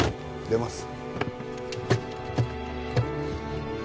出ます。